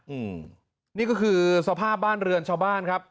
อืมนี่ก็คือสภาพบ้านเรือนชาวบ้านครับ